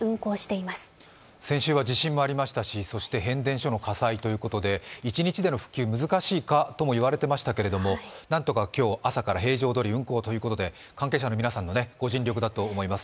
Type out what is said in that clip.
先週は地震もありましたし変電所での火災ということで一日での復旧、難しいかと言われていましたけれども何とか今日、朝から平常どおり運行ということで、関係者の皆さんのご尽力だと思います。